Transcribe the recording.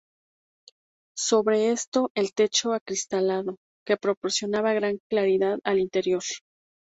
Sobre esto, el techo acristalado, que proporcionaba gran claridad al interior.